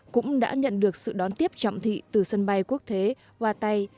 cũng đã nhận được sự đón tiếp trọng thị từ sân bay quốc thế hoa tây